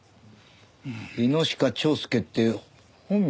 「猪鹿蝶助」って本名？